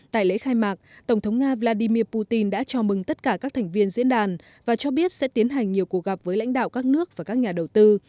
tại lễ khai mạc tổng thống nga vladimir putin đã chào mừng tất cả các thành viên diễn đàn và cho biết sẽ tiến hành nhiều cuộc gặp với lãnh đạo các nước và các nhà đầu tư